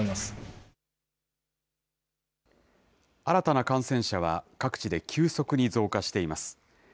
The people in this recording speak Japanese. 新たな感染者は、各地で急速に増加しています。